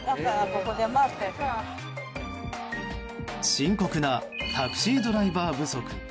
深刻なタクシードライバー不足。